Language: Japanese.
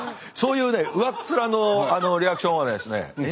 そういうね上っ面のリアクションはですね